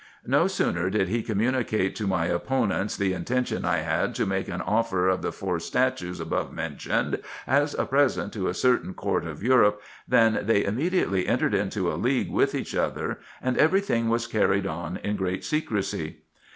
No sooner did he com municate to my opponents the intention I had to make an offer of the four statues above mentioned, as a present to a certain court of Europe, than they immediately entered into a league with each other, and every thing was carried on in great secresy.